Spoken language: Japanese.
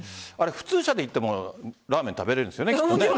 普通車で行ってもラーメン食べれるんですよね。